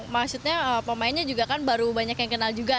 maksudnya pemainnya juga kan baru banyak yang kenal juga